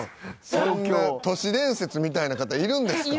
そんな都市伝説みたいな方いるんですか？